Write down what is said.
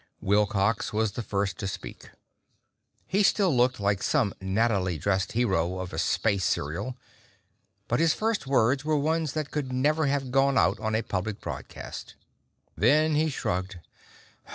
Wilcox was the first to speak. He still looked like some nattily dressed hero of a space serial, but his first words were ones that could never have gone out on a public broadcast. Then he shrugged.